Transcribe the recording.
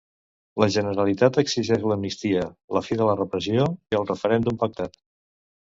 La Generalitat exigeix l'amnistia, la fi de la repressió i un referèndum pactat.